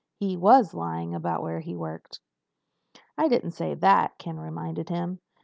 He was lying about where he worked." "I didn't say that," Ken reminded him.